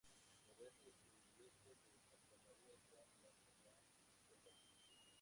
Los restos de su iglesia de Santa María están bajo la masía actual.